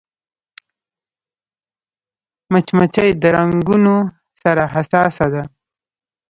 مچمچۍ د رنګونو سره حساسه ده